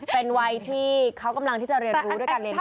เป็นวัยที่เขากำลังที่จะเรียนรู้ด้วยการเรียน